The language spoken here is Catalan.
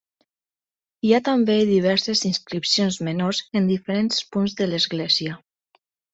Hi ha també diverses inscripcions menors en diferents punts de l'església.